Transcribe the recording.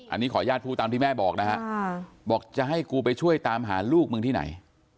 อันนี้ขออนุญาตพูดตามที่แม่บอกนะฮะบอกจะให้กูไปช่วยตามหาลูกมึงที่ไหน